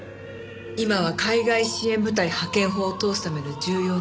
今は海外支援部隊派遣法を通すための重要な時期ですから。